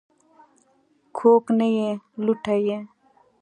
کوږ نه یې لوټه یې.